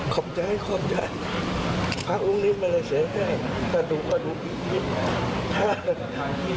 ขอบใจขอบใจพระองค์นี้ไม่ได้เสียงให้ถ้าดูก็ดูคิดคิด